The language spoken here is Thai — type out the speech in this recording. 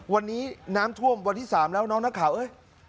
วันนี้น้ำท่วมวันที่๓แล้วน้องนักข่าวเอ้ย